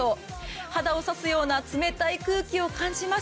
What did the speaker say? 肌を刺すような冷たい空気を感じます。